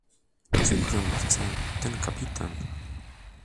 "Czegóż on chce, ten kapitan?..."